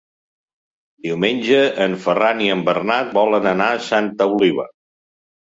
Diumenge en Ferran i en Bernat volen anar a Santa Oliva.